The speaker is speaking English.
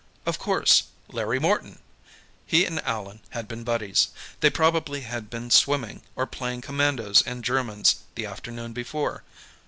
Of course; Larry Morton! He and Allan had been buddies. They probably had been swimming, or playing Commandos and Germans, the afternoon before.